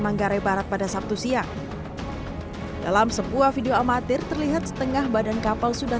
manggarai barat pada sabtu siang dalam sebuah video amatir terlihat setengah badan kapal sudah